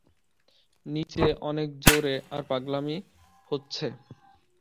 নিচে অনেক জোরে আর পাগলামি হচ্ছে।